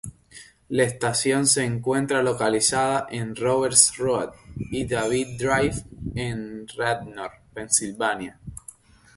La estación se encuentra localizada en Roberts Road y David Drive en Radnor, Pensilvania.